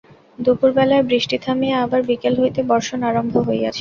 দুপুরবেলায় বৃষ্টি থামিয়া আবার বিকাল হইতে বর্ষণ আরম্ভ হইয়াছে।